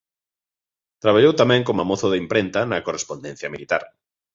Traballou tamén como mozo de imprenta na Correspondencia Militar.